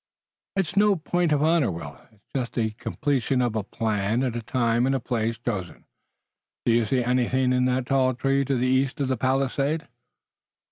"It's no point of honor, Will. It's just the completion of a plan at the time and place chosen. Do you see anything in that tall tree to the east of the palisade?"